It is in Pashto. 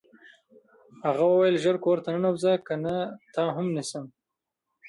هغه وویل ژر کور ته ننوځه کنه تا هم نیسم